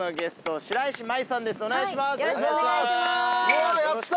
うわやった！